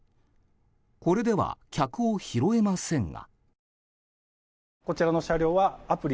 これでは客を拾えませんが。